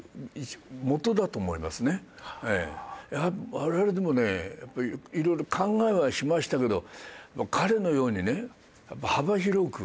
我々でもね色々考えはしましたけど。